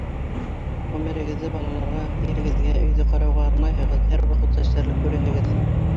Ғүмерегеҙҙе балаларға, ирегеҙгә, өйҙө ҡарауға арнайһығыҙ, һәр ваҡыт хәстәрлек күрәһегеҙ.